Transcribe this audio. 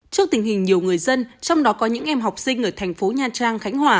trước tình hình nhiều người dân trong đó có những em học sinh ở thành phố nha trang khánh hòa